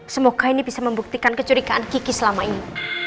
semoga ini bisa membuktikan kecurigaan kiki selama ini